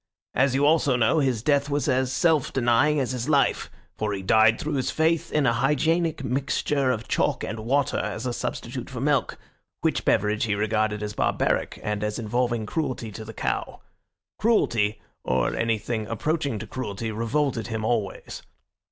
As you also know, his death was as self denying as his life, for he died through his faith in a hygienic mixture of chalk and water as a substitute for milk, which beverage he regarded as barbaric, and as involving cruelty to the cow. Cruelty, or anything approaching to cruelty, revolted him always.